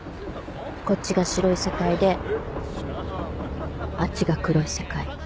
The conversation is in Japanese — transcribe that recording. こっちが白い世界であっちが黒い世界